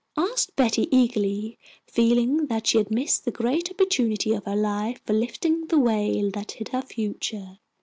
asked Betty, eagerly, feeling that she had missed the great opportunity of her life for lifting the veil that hid her future.